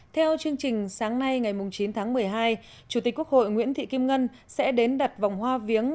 theo chương trình sáng nay ngày chín tháng một mươi hai chủ tịch quốc hội nguyễn thị kim ngân sẽ đến đặt vòng hoa viếng